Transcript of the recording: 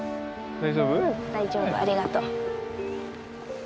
大丈夫ありがとう。